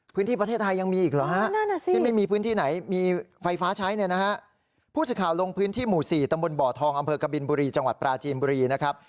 พื้นที่ประเทศไทยยังมีอีกเหรอฮะที่ไม่มีพื้นที่ไหนมีไฟฟ้าใช้เนี่ยนะฮะผู้สื่อข่าวลงพื้นที่หมู่๔ตำบลบ่อทองอำเภอกบินบุรีจังหวัดปราจีนบุรีนะครับ